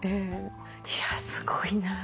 いやすごいなあ。